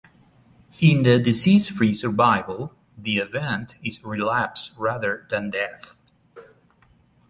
In the disease-free survival, the event is relapse rather than death.